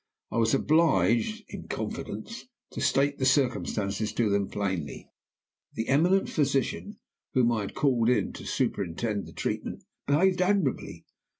I was obliged (in confidence) to state the circumstances to them plainly. "The eminent physician whom I had called in to superintend the treatment behaved admirably.